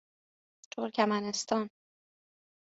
ترکمنستان